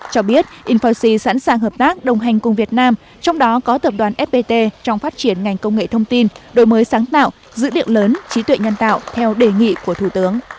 cho biết infoxi sẵn sàng hợp tác đồng hành cùng việt nam trong đó có tập đoàn fpt trong phát triển ngành công nghệ thông tin đổi mới sáng tạo dữ liệu lớn trí tuệ nhân tạo theo đề nghị của thủ tướng